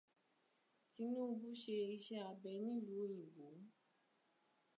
Tinubu ṣe iṣẹ́ abẹ nílùú òyìnbó.